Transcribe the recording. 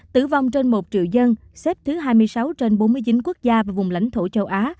tử vong trên một triệu dân xếp thứ hai mươi sáu trên bốn mươi chín quốc gia và vùng lãnh thổ châu á